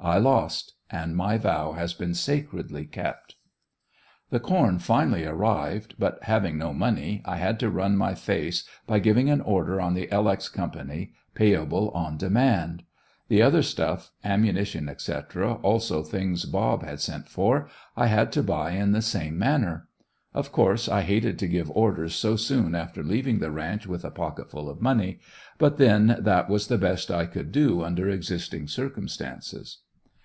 I lost, and my vow has been sacredly kept. The corn finally arrived, but having no money, I had to run my face by giving an order on the "L. X." company, payable on demand. The other stuff, ammunition, etc., also things "Bob" had sent for, I had to buy in the same manner. Of course I hated to give orders so soon after leaving the ranch with a pocketfull of money, but then that was the best I could do under existing circumstances.